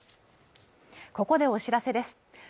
ここでお知らせです